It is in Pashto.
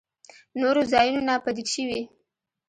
نورو ځايونو ناپديد شوي.